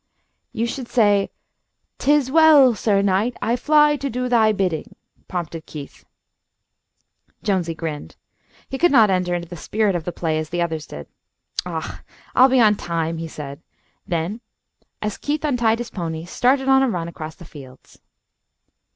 "You should say, ''Tis well, Sir Knight, I fly to do thy bidding,'" prompted Keith. Jonesy grinned. He could not enter into the spirit of the play as the others did. "Aw, I'll be on time," he said; then, as Keith untied his pony, started on a run across the fields.